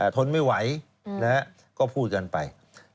ทนไม่ไหวก็พูดกันไป